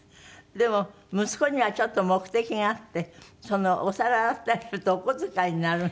でも息子にはちょっと目的があってお皿洗ってあげるとお小遣いになる？